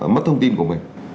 mất thông tin của mình